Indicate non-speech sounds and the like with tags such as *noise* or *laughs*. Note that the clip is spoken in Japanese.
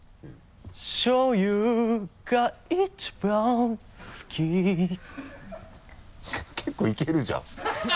しょう油が一番好き結構いけるじゃん *laughs*